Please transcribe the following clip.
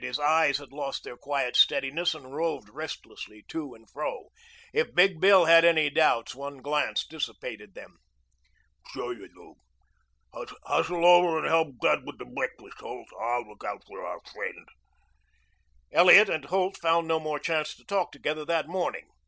His eyes had lost their quiet steadiness and roved restlessly to and fro. If Big Bill had held any doubts one glance dissipated them. "Sure you do. Hustle over and help Dud with the breakfast, Holt. I'll look out for our friend." Elliot and Holt found no more chance to talk together that morning.